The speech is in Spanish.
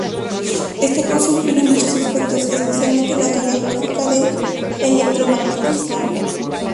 Este curso incluye muchos aspectos, especialmente la teoría clásica del electromagnetismo.